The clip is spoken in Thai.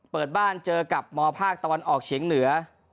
เปิดบ้านเจอกับมภาคตะวันออกเฉียงเหนือ